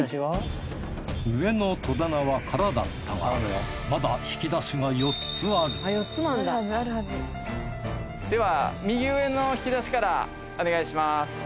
上の戸棚は空だったがまだ引き出しが４つあるでは右上の引き出しからお願いします。